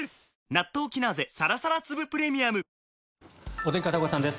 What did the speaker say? お天気、片岡さんです。